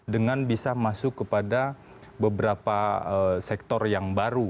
dengan bisa masuk kepada beberapa sektor yang baru